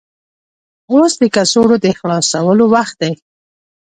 اوس د کڅوړو د خلاصولو وخت دی.